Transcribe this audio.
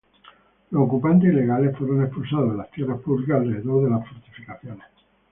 Los ocupantes ilegales fueron expulsados de las tierras públicas alrededor de las fortificaciones.